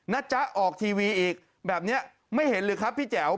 จ๊ะออกทีวีอีกแบบนี้ไม่เห็นหรือครับพี่แจ๋ว